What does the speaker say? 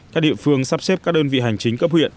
các địa phương sắp xếp các đơn vị hành chính cấp huyện